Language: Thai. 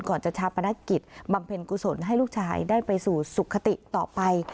ก่อนจะชาปนกิจบำเพ็ญกุศลให้ลูกชายได้ไปสู่สุขติต่อไป